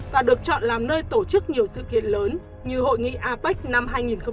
và được chọn làm nơi tổ chức nhiều sự kiện lớn như hội nghị apec năm hai nghìn sáu